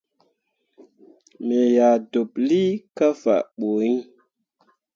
Me yah deɓlii kah faa ɓu iŋ.